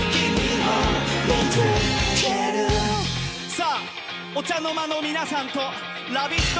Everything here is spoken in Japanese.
さあ、お茶の間の皆さんとラヴィット！